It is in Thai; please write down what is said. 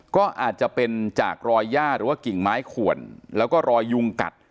ก็อาจจะเป็นจากรอยย่าหรือว่ากิ่งไม้ขวนแล้วก็รอยยุงกัด